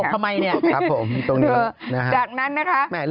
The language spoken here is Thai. ตลกทำไมนี่